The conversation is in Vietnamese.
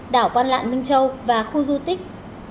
đảo quan lạn minh châu và khu du tích